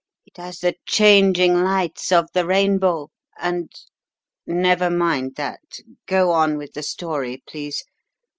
It has the changing lights of the rainbow, and " "Never mind that; go on with the story, please.